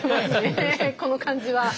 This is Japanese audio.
この感じは。